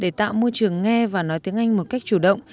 để tạo môi trường nghe và nói tiếng anh một cách chủ động